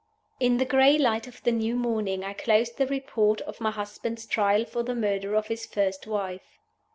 IN the gray light of the new morning I closed the Report of my husband's Trial for the Murder of his first Wife.